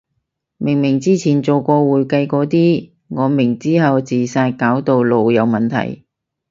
明明之前做過會計個啲，我明之後自殺搞到腦有問題